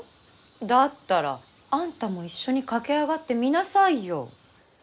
だったらあんたも一緒に駆け上がってみなさいよ。